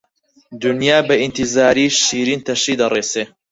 دونیا بە ئیتیزاری، شیرین تەشی دەڕێسێ